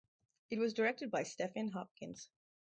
It was directed by Stephen Hopkins.